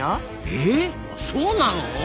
えそうなの！？